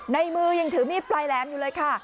ในมือยังถือมีดปลายแหลมอยู่เลยค่ะ